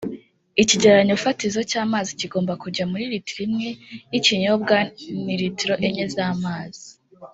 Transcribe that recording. Ikigereranyo fatizo cy’amazi kigomba kujya muri litiro imwe y’ikinyobwa ni Litiro enye z’amazi